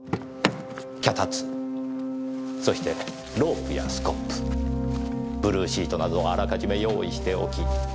脚立そしてロープやスコップブルーシートなどをあらかじめ用意しておき。